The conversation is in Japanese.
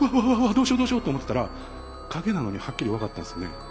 どうしようと思っていたら影なのにはっきり分かったんです。